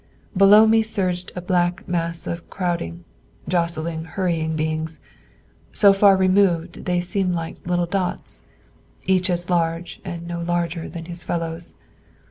Below me surged a black mass of crowding, jostling, hurrying beings, so far removed they seemed like little dots, each as large and no larger than his fellows.